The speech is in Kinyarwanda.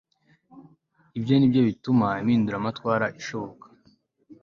ibyo ni byo bituma impinduramatwara ishoboka